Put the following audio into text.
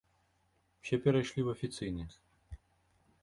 Усе перайшлі ў афіцыйны.